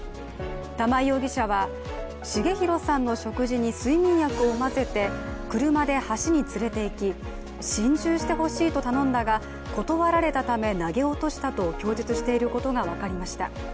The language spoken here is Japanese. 玉井容疑者は、重弘さんの食事に睡眠薬を混ぜて車で橋に連れて行き心中してほしいと頼んだが断られたため投げ落としたと供述していることが分かりました。